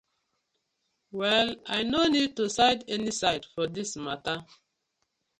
Well I no need to side any side for dis matta.